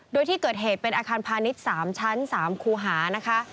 โดยที่เกิดเหตุเป็นอาคารพาณิชย์๓ชั้น๓คูหานะคะ